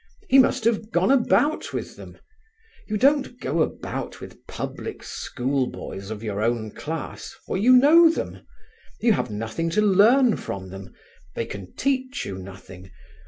He must have gone about with them. You don't go about with public school boys of your own class, for you know them; you have nothing to learn from them: they can teach you nothing.